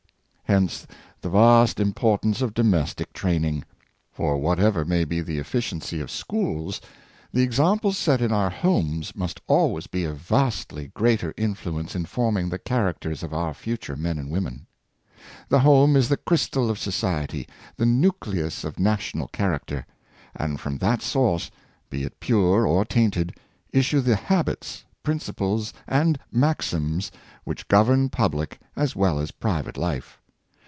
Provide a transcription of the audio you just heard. Hence the vast importance of domestic training. For v^hatever may be the efficiency of schools, the ex amples set in our homes must always be of vastly greater influence in forming the characters of our future men and women. The home is the crystal of society — the nucleus of national character; and from that source, be it pure or tainted, issue the habits, principles, and maxims which govern public as well as private life.